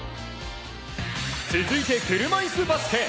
続いて、車いすバスケ。